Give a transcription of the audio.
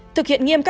thực hiện nghiêm cấp